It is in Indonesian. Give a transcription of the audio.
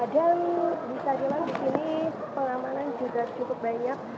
dan bisa dilihat ini pengamanan juga cukup banyak